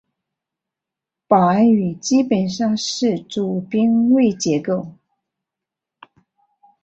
保安语基本上是主宾谓结构。